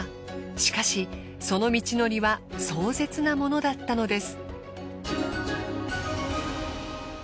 しかしその道のりは壮絶なものだったのです。